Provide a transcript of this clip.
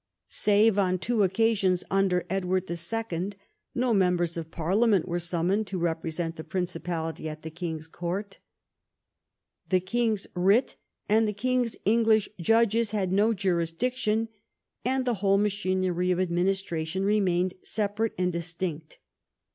Save on two occasions under Edward II., no members of Parlia ment were summoned to represent the Principality at the king's court. The king's writ and the king's English judges had no jurisdiction, and the whole machinery of administration remained separate and distinct.